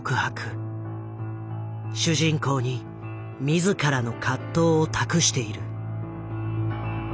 主人公に自らの葛藤を託している。